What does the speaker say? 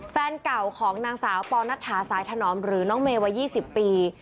แฟนเก่าของนางสาวปอนัทธาสายถนอมหรือน้องเมย์วัย๒๐ปี